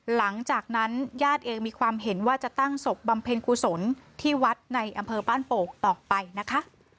หลังจากนั้นญาติเองมีความเห็นว่าจะตั้งศพบำเพ็ญกุศลที่วัดในอำเภอบ้านโปกต่อไปนะคะ